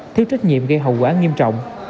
thiếu trách nhiệm gây hậu quả nghiêm trọng